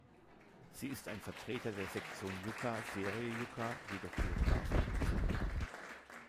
Sie ist ein Vertreter der Sektion "Yucca" Serie "Yucca", jedoch geographisch isoliert.